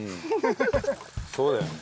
そうだよね。